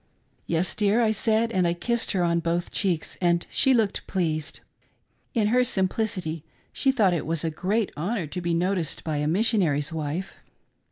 " Yes, dear," I said, and I kissed her on both cheeks and she looked pleased, — in her simplicity she thought it was a great honor to be noticed by a missionary's wife.